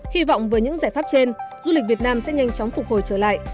hy vọng với những giải pháp trên du lịch việt nam sẽ nhanh chóng phục hồi trở lại